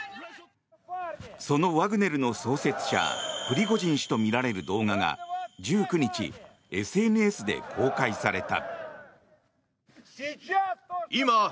そのワグネルの創設者プリゴジン氏とみられる動画が１９日、ＳＮＳで公開された。